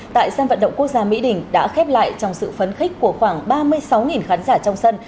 tại sân vận động quốc gia mỹ đình đã khép lại trong sự phấn khích của khoảng ba mươi sáu khán giả trong sân